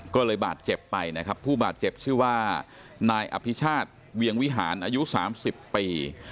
ก็เลยบาดเจ็บไปนะครับผู้บาดเจ็บชื่อว่านายอภิชาติเวียงวิหารอายุ๓๐ปี